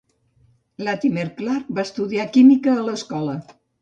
Latimer Clark va estudiar química a l'escola.